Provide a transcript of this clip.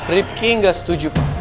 rifki gak setuju pak